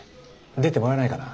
出てもらえないかな。